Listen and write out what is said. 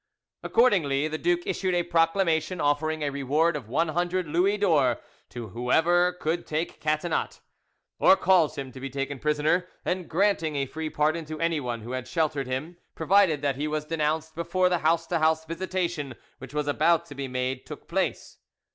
Accordingly, the duke issued a proclamation offering a reward of one hundred Louis d'or to whoever would take Catinat, or cause him to be taken prisoner, and granting a free pardon to anyone who had sheltered him, provided that he was denounced before the house to house visitation which was about to be made took place.